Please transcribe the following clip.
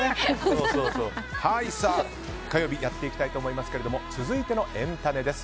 火曜日、やっていきたいと思いますけれども続いてのエンたねです。